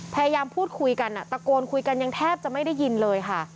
พยายามพูดคุยกันตะโกนคุยกันยังแทบจะไม่ได้ยินเลยค่ะ